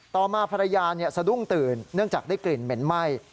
ต่อมาภรรยาสะดุ้งตื่นเนื่องจากได้กลิ่นเหม็นไหม้